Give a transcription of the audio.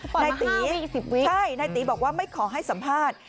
ปล่อยมา๕วินาที๑๐วินาทีใช่นายตีบอกว่าไม่ขอให้สัมภาษณ์